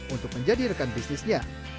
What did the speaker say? untuk menjadi rekan bisnisnya